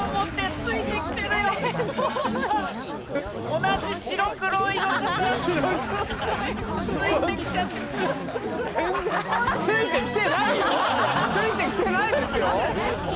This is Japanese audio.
ついて来てないですよ？